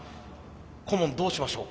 顧問どうしましょう？